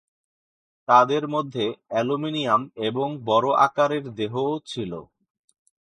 তাদের মধ্যে অ্যালুমিনিয়াম এবং বড় আকারের দেহও ছিল।